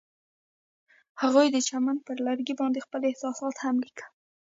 هغوی د چمن پر لرګي باندې خپل احساسات هم لیکل.